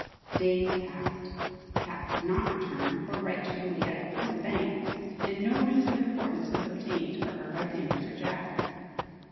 Days passed. Pat did not return or write to Juliet or the bank. And no news of importance was obtained for her by Sanders or Jack.